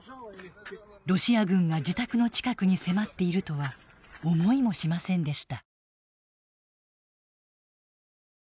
ロシア軍が自宅の近くに迫っているとは思いもしませんでした。